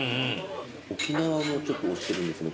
沖縄もちょっと推してるんです。